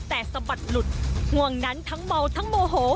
แต่สะบัดหลุดห่วงนั้นทั้งเมาทั้งโมโห